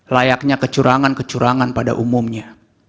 layaknya kecurangan kecurangan pada umumnya